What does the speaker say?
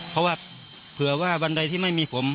เพราะว่าเผื่อว่าวันใดที่ไม่มีผม